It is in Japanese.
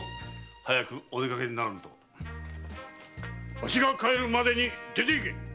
わしが帰るまでに出ていけ！